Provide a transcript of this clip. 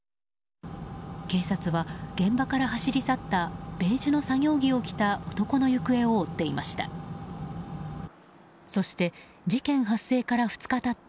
警察は現場から走り去ったベージュの作業着を着た男の行方を追っていました。